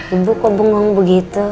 ibu kok bengong begitu